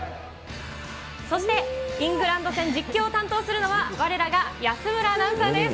そして、イングランド戦実況を担当するのは、われらが安村アナウンサーです。